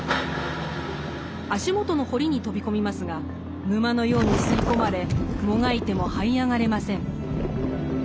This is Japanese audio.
足元の堀に飛び込みますが沼のように吸い込まれもがいてもはい上がれません。